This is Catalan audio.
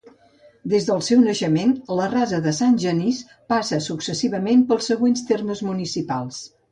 Des del seu naixement, la Rasa de Sant Genís passa successivament pels següents termes municipals.